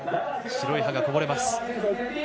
白い歯がこぼれます。